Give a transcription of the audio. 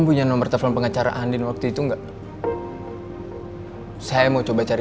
kalau tidak jadi kesalahan